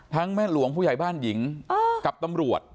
แม่หลวงผู้ใหญ่บ้านหญิงกับตำรวจ